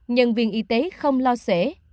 nhân viên y tế không lo sể